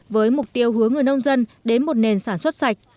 với mục tiêu hướng người nông dân đến một nền sản xuất sạch